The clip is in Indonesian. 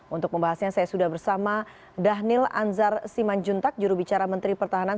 untuk membahasnya saya sudah bersama dhanil anzar simanjuntak jurubicara menteri pertahanan